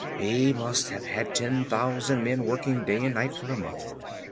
he must have had ten thousand men working day and night for a month.